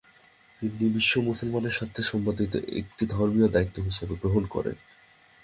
তিনি বিশ্ব মুসলিমের স্বার্থে সম্পাদিত একটি ধর্মীয় দায়িত্ব হিসেবে গ্রহণ করেন।